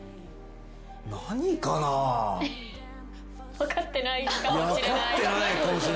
分かってないかもしれない。